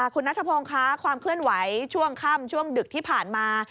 คุณนัทพงศ์ค่ะความเคลื่อนไหวช่วงค่ำช่วงดึกที่ผ่านมา